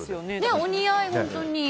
お似合い、本当に。